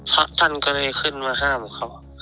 พระท่านก็เลยขึ้นมาห้ามเขา